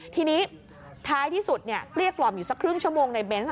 ทีนี้ท้ายที่สุดเกลี้ยกล่อมอยู่สักครึ่งชั่วโมงในเบนส์